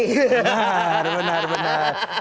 benar benar benar